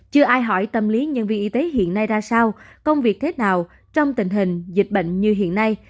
chưa ai hỏi tâm lý nhân viên y tế hiện nay ra sao công việc thế nào trong tình hình dịch bệnh như hiện nay